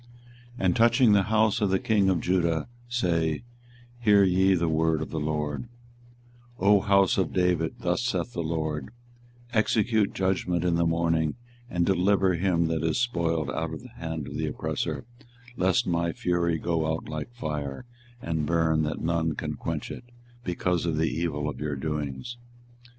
24:021:011 And touching the house of the king of Judah, say, Hear ye the word of the LORD; 24:021:012 O house of David, thus saith the LORD; Execute judgment in the morning, and deliver him that is spoiled out of the hand of the oppressor, lest my fury go out like fire, and burn that none can quench it, because of the evil of your doings.